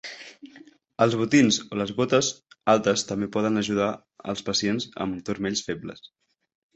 Els botins o les botes altes també poden ajudar als pacients amb turmells febles.